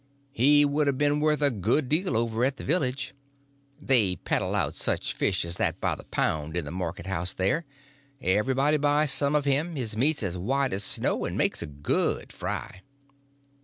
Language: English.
He would a been worth a good deal over at the village. They peddle out such a fish as that by the pound in the market house there; everybody buys some of him; his meat's as white as snow and makes a good fry.